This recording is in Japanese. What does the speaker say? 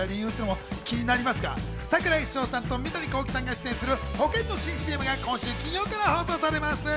櫻井翔さんと三谷幸喜さんが出演する保険の新ＣＭが今週金曜から放送されます。